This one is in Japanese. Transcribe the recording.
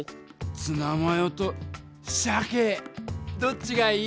ツナマヨとサケどっちがいい？